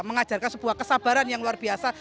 mengajarkan sebuah kesabaran yang luar biasa